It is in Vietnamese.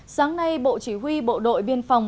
sáng nay bộ chỉ huy bộ đội biên phòng